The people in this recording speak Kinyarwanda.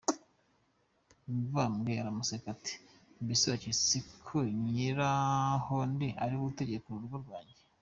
Mibambwe aramuseka, ati: "Mbese waketse ko Nyirahondi ari we utegeka urugo rwanjye!".